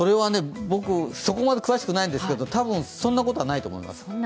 そこまで詳しくないんですけどそんなことはないと思います。